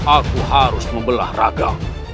aku harus membelah raga